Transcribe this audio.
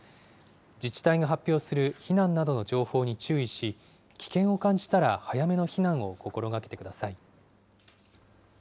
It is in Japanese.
自治体が発表する避難などの情報に注意し、危険を感じたら早めの避難を心がけてください。